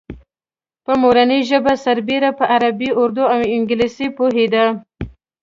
په مورنۍ ژبه سربېره په عربي، اردو او انګلیسي پوهېده.